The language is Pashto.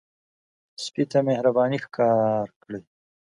سپي ته مهرباني ښکار کړئ.